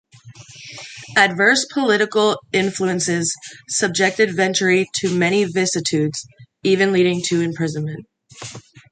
Adverse political influences subjected Venturi to many vicissitudes, even leading to imprisonment.